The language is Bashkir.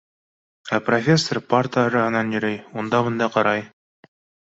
Ә профессор парта араһынан йөрөй, унда-бында ҡарай.